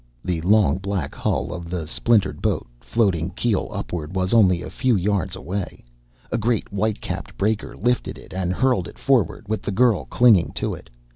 The long black hull of the splintered boat, floating keel upward, was only a few yards away. A great white capped breaker lifted it and hurled it forward, with the girl clinging to it.